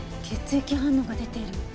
血液反応が出てる。